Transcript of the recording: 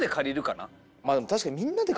まあでも確かに。